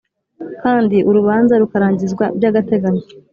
Kandi urubanza rukarangizwa by agateganyo